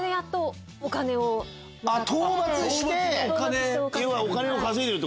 討伐してお金を稼いでるってこと！